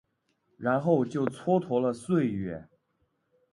然后就蹉跎了岁月